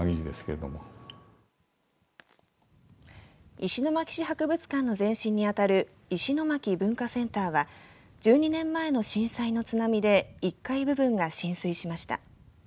石巻市博物館の前身に当たる石巻文化センターは１２年前の震災の津波で１階部分が浸水しました。